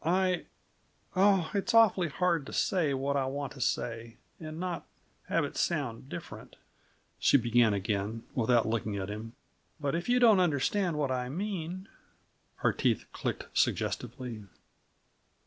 "I oh, it's awfully hard to say what I want to say, and not have it sound different," she began again, without looking at him. "But if you don't understand what I mean " Her teeth clicked suggestively.